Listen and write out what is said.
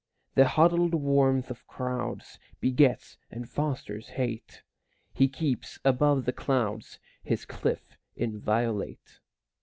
The huddled warmth of crowds Begets and fosters hate; He keeps, above the clouds, His cliff inviolate.